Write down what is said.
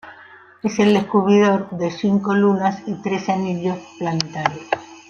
Es el descubridor de cinco lunas y tres anillos planetarios.